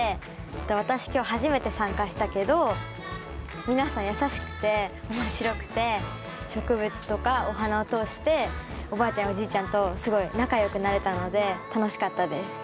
私今日初めて参加したけど皆さん優しくて面白くて植物とかお花を通しておばあちゃんやおじいちゃんとすごい仲良くなれたので楽しかったです。